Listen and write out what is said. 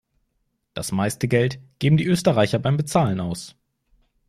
Das meiste Geld geben die Österreicher beim Bezahlen aus.